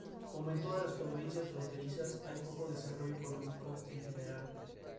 Como en todas las provincias fronterizas, hay poco desarrollo económico en general.